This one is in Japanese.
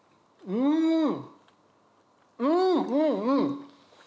うんうんうん！